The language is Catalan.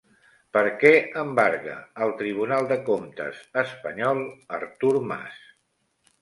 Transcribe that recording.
Per què embarga el Tribunal de Comptes espanyol Artur Mas?